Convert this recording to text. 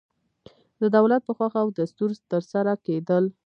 د دولت په خوښه او دستور ترسره کېدل.